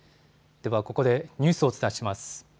ではここでニュースをお伝えします。